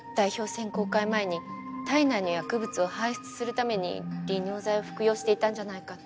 選考会前に体内の薬物を排出するために利尿剤を服用していたんじゃないかって。